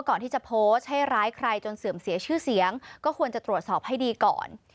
คนเสื่อมเสียชื่อเสียงก็ควรจะตรวจสอบให้ดีก่อน